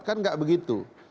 kan nggak begitu